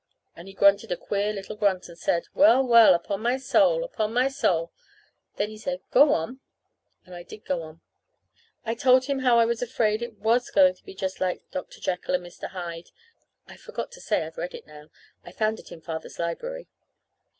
And he grunted a queer little grunt, and said, "Well, well, upon my soul, upon my soul!" Then he said, "Go on." And I did go on. I told him how I was afraid it was going to be just like Dr. Jekyll and Mr. Hyde. (I forgot to say I've read it now. I found it in Father's library.)